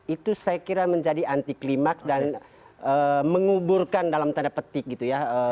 itu saya kira menjadi anti klimak dan menguburkan dalam tanda petik gitu ya